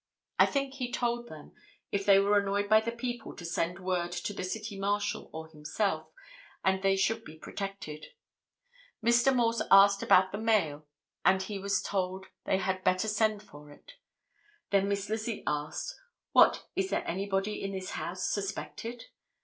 I think he told them if they were annoyed by the people to send word to the city marshal or himself and they should be protected; Mr. Morse asked about the mail and he was told they had better send for it; then Miss Lizzie asked, 'What, is there anybody in this house suspected?